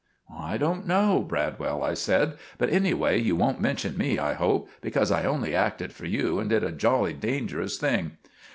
"I don't know, Bradwell," I said; "but anyway you won't mention me, I hope, because I only acted for you, and did a jolly dangerous thing."